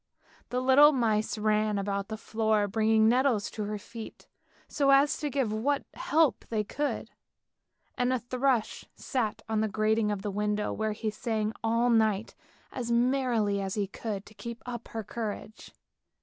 The little mice ran about the floor bringing nettles to her feet, so as to give what help they could, and a thrush sat on the grating of the window where he sang all night, as merrily as he could to keep up her courage.